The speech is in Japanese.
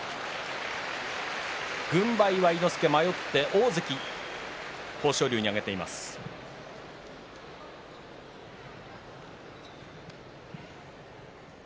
軍配は伊之助迷って大関豊昇龍に上げました。